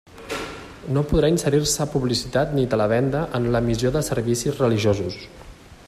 No podrà inserir-se publicitat ni televenda en l'emissió de servicis religiosos.